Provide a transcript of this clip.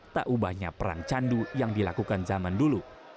tak ubahnya perang candu yang dilakukan zaman dulu